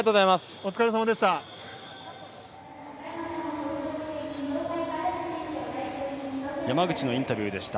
お疲れさまでした。